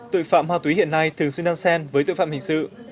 tội phạm ma túy hiện nay thường xuyên đăng xem với tội phạm hình sự